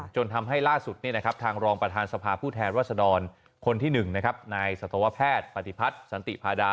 จนทำให้ล่าสุดทางรองประธานสภาผู้แทนรัศดรคนที่๑นายสัตวแพทย์ปฏิพัฒน์สันติพาดา